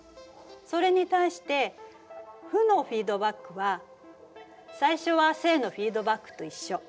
それに対して負のフィードバックは最初は正のフィードバックと一緒。